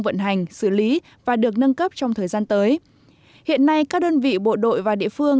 vận hành xử lý và được nâng cấp trong thời gian tới hiện nay các đơn vị bộ đội và địa phương